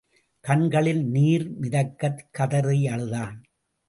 கண்களில் நீர் மிதக்கக் கதறி அழுதான்.